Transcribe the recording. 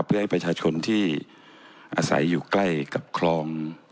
เพื่อให้ประชาชนที่อาศัยอยู่ใกล้กับคลอง